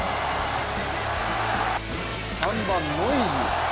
３番・ノイジー。